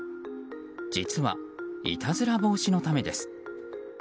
実は、いたずら防止のためです。